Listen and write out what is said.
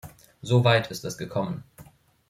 So weit ist es gekommen.